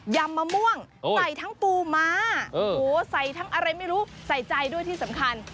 ำมะม่วงใส่ทั้งปูม้าโอ้โหใส่ทั้งอะไรไม่รู้ใส่ใจด้วยที่สำคัญ